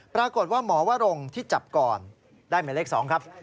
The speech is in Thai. ปรากฏว่าหมอวรงที่จับก่อนได้หมายเลข๒ครับ